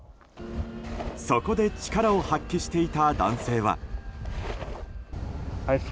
そこで力を発揮していた男性は。